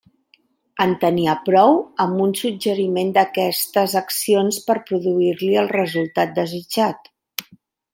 En tenia prou amb un suggeriment d'aquestes accions per produir-li el resultat desitjat.